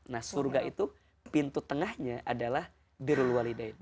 nah surga itu pintu tengahnya adalah biru walidah